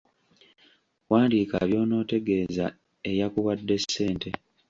Wandiika by’onootegeeza eyakuwadde ssente.